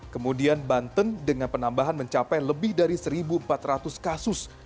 kemudian banten dengan penambahan mencapai lebih dari satu empat ratus kasus